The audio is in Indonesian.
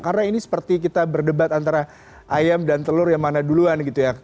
karena ini seperti kita berdebat antara ayam dan telur yang mana duluan gitu ya